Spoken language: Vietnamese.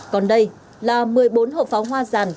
còn đây là một mươi bốn hộp pháo hoa ràn